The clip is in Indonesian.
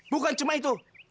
bukan cuma itu